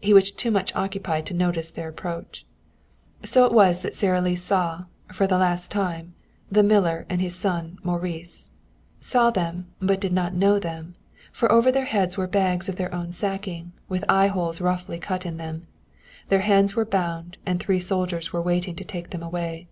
He was too much occupied to notice their approach. So it was that Sara Lee saw, for the last time, the miller and his son, Maurice; saw them, but did not know them, for over their heads were bags of their own sacking, with eyeholes roughly cut in them. Their hands were bound, and three soldiers were waiting to take them away.